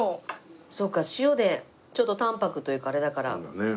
そうか塩でちょっと淡泊というかあれだからダシが合う。